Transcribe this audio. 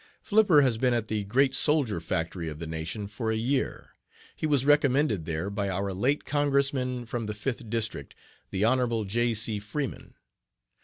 "'Flipper has been at the great soldier factory of the nation for a year. He was recommended there by our late Congressman from the Fifth District, the Hon. J. C. Freeman.